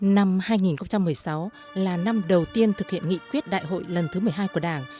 năm hai nghìn một mươi sáu là năm đầu tiên thực hiện nghị quyết đại hội lần thứ một mươi hai của đảng